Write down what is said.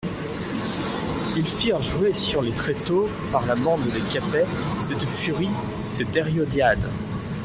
Ils firent jouer sur les tréteaux par la bande des Cappets, cette furie, cette Hérodiade.